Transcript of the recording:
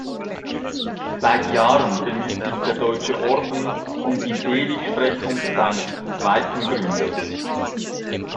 Seit Jahren bemüht sich der Deutsche Orden um die Seligsprechung seines „zweiten Gründers“.